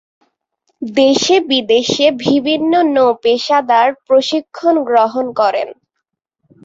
দেশে-বিদেশে বিভিন্ন নৌ-পেশাদার প্রশিক্ষণ গ্রহণ করেন।